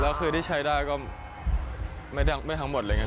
แล้วคือที่ใช้ได้ก็ไม่ทั้งหมดอะไรอย่างนี้